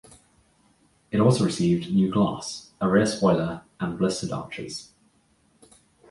It also received new glass, a rear spoiler, and blistered arches.